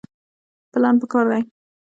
پلان پکار دی